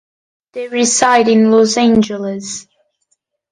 They reside in Los Angeles.